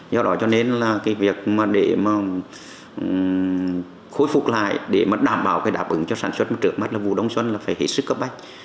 do đó cho nên là cái việc mà để mà khôi phục lại để mà đảm bảo cái đáp ứng cho sản xuất trước mắt là vụ đông xuân là phải hết sức cấp bách